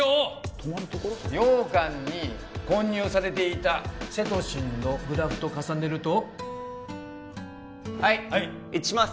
そこ羊羹に混入されていたセトシンのグラフと重ねるとはい一致します